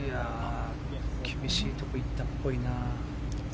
厳しいところに行ったっぽいな。